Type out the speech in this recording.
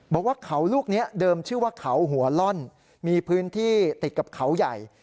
บอกว่าเขาลูกนี้เดิมชื่อว่าเขาหัวล่อนมีพื้นที่ติดกับเขาใหญ่